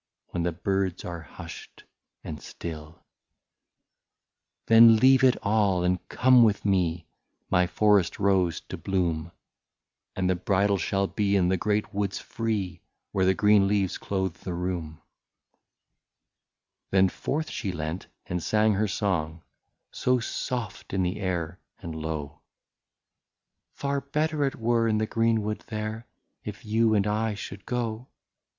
When the birds are hushed and still. "Then leave it all and come with me — My forest rose to bloom — And the bridal shall be in the great woods free, Where the green leaves clothe the room/' 73 Then forth she leant and sang her song, — So soft in the air and low :^' Far better it were in the greenwood there, If you and I should go.